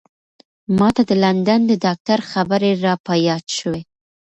ما ته د لندن د ډاکتر خبرې را په یاد شوې.